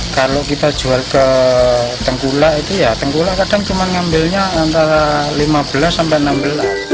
kalau kita jual ke tenggula tenggula kadang cuma ngambilnya antara lima belas sampai enam belas